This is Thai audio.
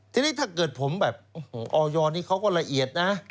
ทีนี้ถ้าเกิดผมแบบออยนี่เขาก็ละเอียดนะ